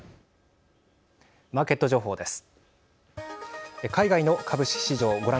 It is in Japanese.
マーケット情報です。